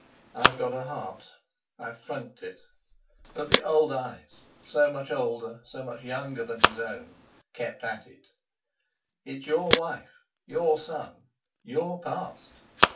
I've got a heart; I've funked it." But the old eyes, so much older, so much younger than his own, kept at it; "It's your wife, your son; your past.